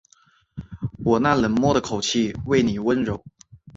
我那冷漠的口气为妳温柔